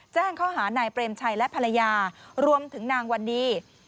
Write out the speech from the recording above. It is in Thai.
แจ้งข้อหานายเปรมชัยและภรรยารวมถึงนางวันดี